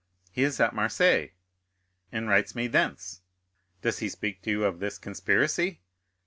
"He is at Marseilles." "And writes me thence." "Does he speak to you of this conspiracy?"